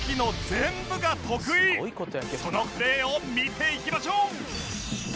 そのプレーを見ていきましょう